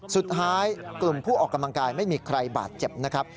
สุดท้ายกลุ่มผู้ออกกำลังกายไม่มีใครบาดเจ็บนะครับ